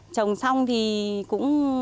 trồng xong thì cũng